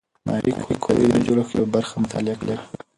ماري کوري د اتومي جوړښت یوه برخه مطالعه کړه.